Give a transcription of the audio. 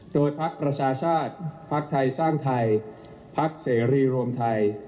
โดยพักประชาชาติภักดิ์ไทยสร้างไทยพักเสรีรวมไทย